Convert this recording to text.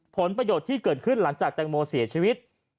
ผลประโยชน์ที่เกิดขึ้นหลังจากแตงโมเสียชีวิต